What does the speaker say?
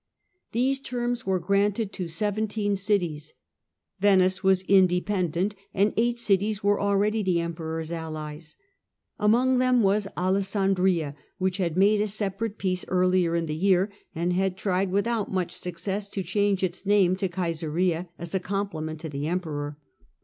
These terms were granted to seventeen cities. Venice was independent, and eight cities were already the Emperor's allies. Among them was Alessandria, which had made a separate peace earlier in the year, and had tried, without much success, to change its name to " Csesarea," as a compliment to the Emperor.